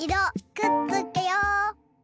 くっつけよう。